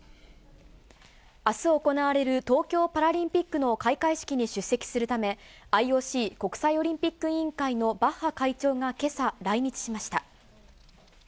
あす行われる東京パラリンピックの開会式に出席するため、ＩＯＣ・国際オリンピック委員会のバッハ会長がけさ、来日しました。